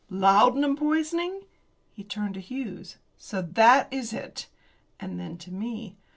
Laudanum poisoning?" He turned to Hughes. "So that is it." And then to me.